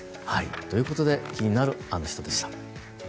ということで気になるアノ人でした。